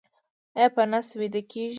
ایا په نس ویده کیږئ؟